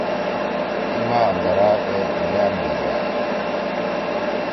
تیما اندارہ اے گلأم نیگھأد۔